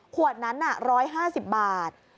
ขวดนั้น๑๕๐บาท